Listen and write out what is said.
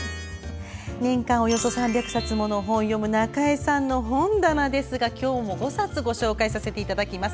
年間およそ３００冊もの本を読む中江さんの本棚ですが今日も５冊ご紹介させていただきます。